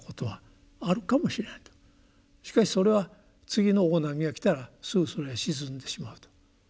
しかしそれは次の大波が来たらすぐそれは沈んでしまうと。